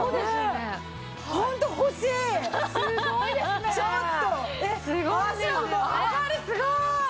すごーい！